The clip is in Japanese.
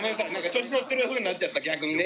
調子乗ってる風になっちゃった逆にね